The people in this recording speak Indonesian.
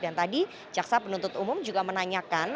dan tadi jaksa penuntut umum juga menanyakan